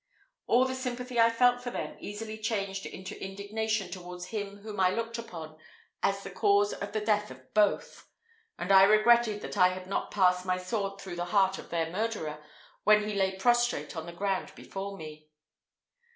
All the sympathy I felt for them easily changed into indignation towards him whom I looked upon as the cause of the death of both; and I regretted that I had not passed my sword through the heart of their murderer when he lay prostrate on the ground before me.